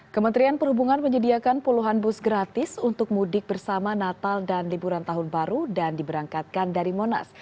kementerian perhubungan menyediakan puluhan bus gratis untuk mudik bersama natal dan liburan tahun baru dan diberangkatkan dari monas